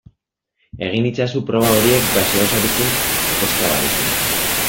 Egin itzazu proba horiek gaseosarekin ez cavarekin.